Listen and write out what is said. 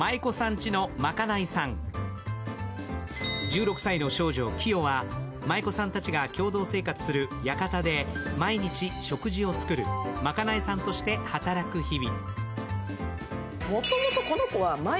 １６歳の少女、キヨは舞妓さんたちが共同生活する屋形で毎日食事を作るまかないさんとして働く日々。